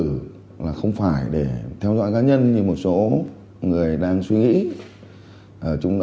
chip điện tử là không phải để theo dõi cá nhân như một số người đang suy nghĩ